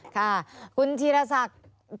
ค่ะคุณธีรศักดิ์